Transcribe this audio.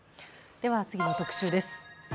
では、次の特集です。